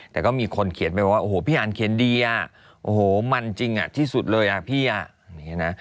แต่ก็มีคนเขียนไปว่าโอ้โหพี่อันเขียนดีอ่ะโอ้โหมันจริงอ่ะที่สุดเลยอ่ะพี่อ่ะนะ